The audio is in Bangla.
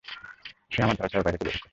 সে আমার ধরা-ছোঁয়ার বাইরে চলে গেছে।